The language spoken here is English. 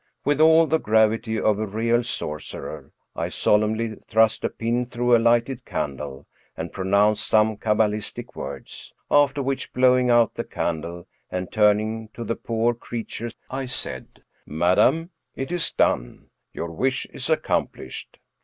With all the gravity of a real sorcerer, I solemnly thrust a pin through a lighted candle, and pronounced some ca balistic words. After which, blowing out the candle, and turning to the poor creature, I said: " Madam, it is done ; your wish is accomplished.